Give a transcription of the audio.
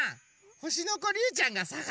ほしのこりゅうちゃんがさがしてたよ。